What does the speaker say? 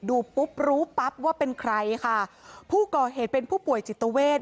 ปุ๊บรู้ปั๊บว่าเป็นใครค่ะผู้ก่อเหตุเป็นผู้ป่วยจิตเวท